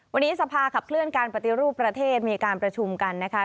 วันนี้สภาขับเคลื่อนการปฏิรูปประเทศมีการประชุมกันนะคะ